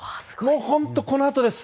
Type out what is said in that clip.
本当にこのあとです。